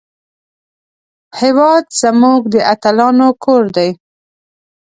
هېواد زموږ د اتلانو کور دی